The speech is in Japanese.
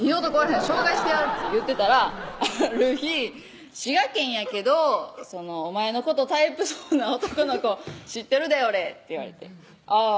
紹介してや」って言ってたらある日「滋賀県やけどお前のことタイプそうな男の子知ってるで俺」って言われてあぁ